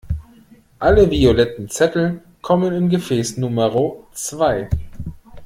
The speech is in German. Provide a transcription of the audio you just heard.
Alle violetten Zettel kommen in Gefäß Numero zwei.